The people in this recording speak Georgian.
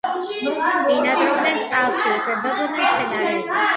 ბინადრობდნენ წყალში, იკვებებოდნენ მცენარეებით.